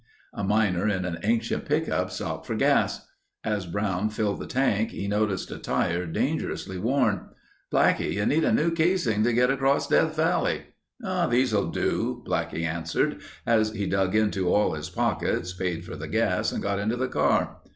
A miner in an ancient pickup stopped for gas. As Brown filled the tank he noticed a tire dangerously worn. "Blackie, you need a new casing to get across Death Valley." "These'll do," Blackie answered as he dug into all his pockets, paid for the gas and got into the car.